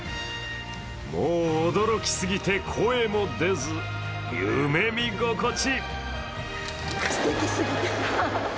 もう驚きすぎて声も出ず夢見心地。